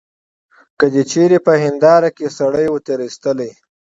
که دي چیري په هنیداره کي سړی وو تېرایستلی.